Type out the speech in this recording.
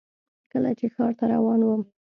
کله چې ښار ته روان وم .